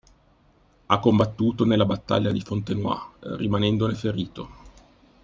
Ha combattuto nella Battaglia di Fontenoy, rimanendone ferito.